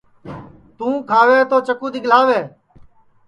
توں کھاوے تو چکُو دِؔگکاوے